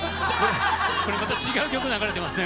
これまた違う曲流れてますね